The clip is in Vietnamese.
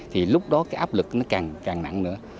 thì lúc đó cái áp lực nó càng càng nặng nữa